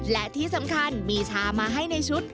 และที่สำคัญมีชามาให้ในชุด